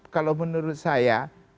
kalau menurut saya